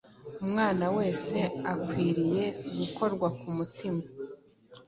Umwana wese akwiriye gukorwa ku mutima